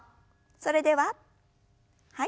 それでははい。